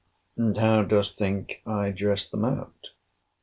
And how dost think I dress them out?